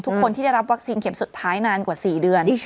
ทุกคนที่ได้รับวัคซีนเข็มสุดท้ายนานกว่า๔เดือน